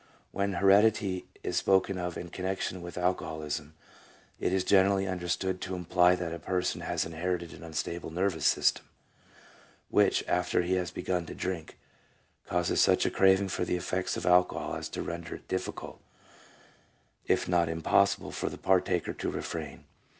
When heredity is spoken of in connection with alcoholism, it is generally understood to imply that a person has inherited an unstable nervous system, which, after he has begun to drink, causes such a craving for the effects of alcohol as to render it difficult, if not impossible, for the partaker to refrain.